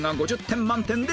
５０点満点。